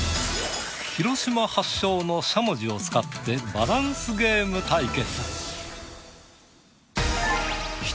広島発祥のしゃもじを使ってバランスゲーム対決。